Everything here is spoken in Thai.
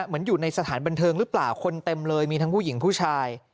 เหมือนอยู่ในสถานบันเทิงหรือเปล่าคนเต็มเลยมีทั้งผู้หญิงผู้ชาย